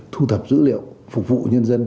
thu thập dữ liệu phục vụ nhân dân